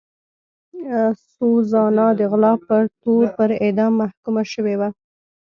سوزانا د غلا په تور پر اعدام محکومه شوې وه.